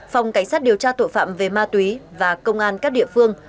phòng cảnh sát điều tra tội phạm về ma túy và công an các địa phương